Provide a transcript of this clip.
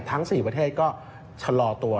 ทั้ง๔ประเทศก็ชะลอตัว